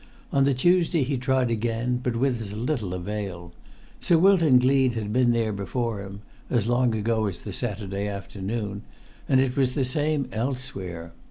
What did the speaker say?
On the Tuesday he tried again, but with as little avail. Sir Wilton Gleed had been there before him (as long ago as the Saturday afternoon), and it was the same elsewhere.